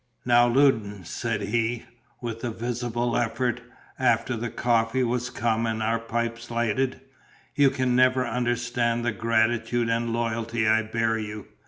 "Now, Loudon," said he, with a visible effort, after the coffee was come and our pipes lighted, "you can never understand the gratitude and loyalty I bear you.